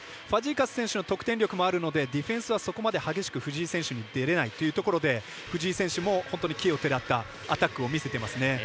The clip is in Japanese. ファジーカス選手の得点力もあるのでディフェンスはそこまで激しく藤井選手に出れないというところで藤井選手も本当に奇をてらったアタックを見せてますね。